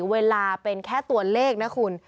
เวลาเป็นแค่ตัวเลขนะคุณ